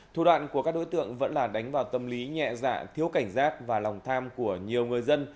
thủ đoạn của các đối tượng vẫn là đánh vào tâm lý nhẹ dạ thiếu cảnh giác và lòng tham của nhiều người dân